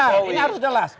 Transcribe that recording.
ini harus jelas